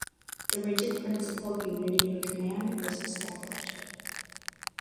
The rigid principle of unity of command was established.